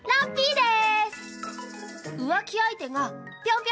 です！